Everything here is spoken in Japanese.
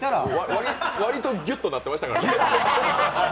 割とね、割とギュッとなってましたからね。